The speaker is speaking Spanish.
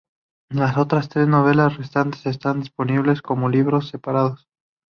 Las otras tres novelas restantes están disponibles como libros separados.